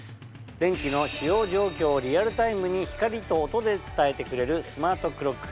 電気の使用状況をリアルタイムに光と音で伝えてくれるＳＭＡＲＴＣＬＯＣＫ。